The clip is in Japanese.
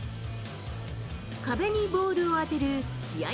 壁にボールを当てる試合